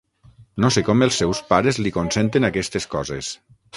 No sé com els seus pares li consenten aquestes coses.